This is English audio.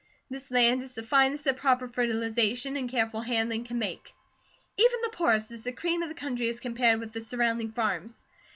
This land is the finest that proper fertilization and careful handling can make. Even the poorest is the cream of the country as compared with the surrounding farms.